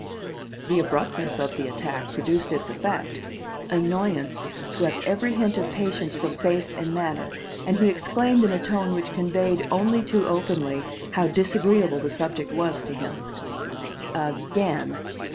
The abruptness of the attack produced its effect. Annoyance swept every hint of patience from face and manner, and he exclaimed in a tone which conveyed, only too openly, how disagreeable the subject was to him. "Again!"